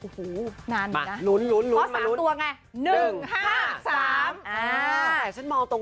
เลข๐นะถ้ามองไกลเห็นป่าวล่ะ